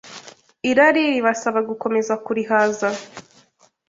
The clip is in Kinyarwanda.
irari ribasaba gukomeza kurihaza